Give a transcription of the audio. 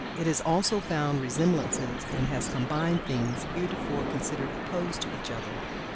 It has also found resemblances and has combined things heretofore considered opposed to each other.